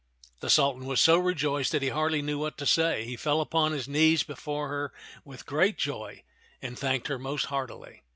The Sultan was so rejoiced that he hardly knew what to say. He fell upon his knees before her and with great joy he thanked her most heartily.